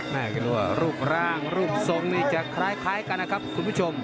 คิดว่ารูปร่างรูปทรงนี่จะคล้ายกันนะครับคุณผู้ชม